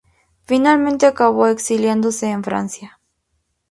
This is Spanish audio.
Finalmente acabó exiliándose en Francia.